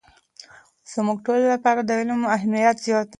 زموږ ټولو لپاره د علم اهمیت زیات دی.